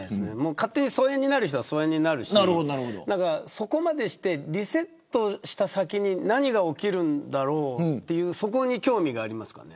勝手に疎遠になる人は疎遠になるしそこまでしてリセットした先に何が起きるんだろうっていうそこに興味がありますかね。